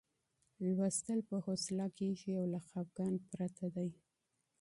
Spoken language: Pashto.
لوستل په حوصله کېږي او له خپګان پرته دی.